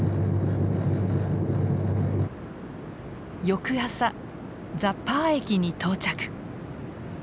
翌朝ザ・パー駅に到着。